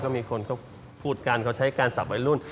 ก็มีคนเขาพูดกันเขาใช้การสับวัยรุ่น